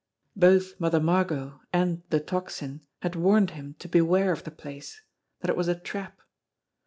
Both Mother Margot and the Tocsin had warned him to beware of the place that it was a trap.